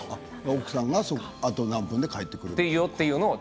奥さんがあと何分で帰ってくると。